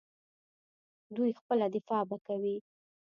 دوی خپله دفاع به کوي.